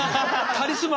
カリスマ。